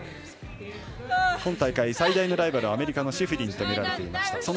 今大会最大のライバルはアメリカのシフリンとみられていました。